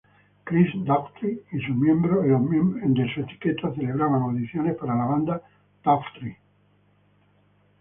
Chris Daughtry y sus miembros de su etiqueta celebraban audiciones para la banda Daughtry.